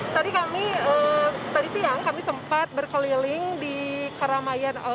tadi kami tadi siang kami sempat berkeliling di keramayan